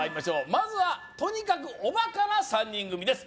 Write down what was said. まずはとにかくおバカな３組です